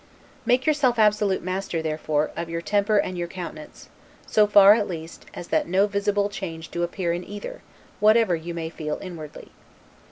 Make yourself absolute master, therefore, of your temper and your countenance, so far, at least, as that no visible change do appear in either, whatever you may feel inwardly.